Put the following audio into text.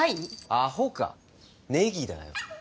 アホかネギだよ